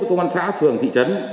với công an xã phường thị trấn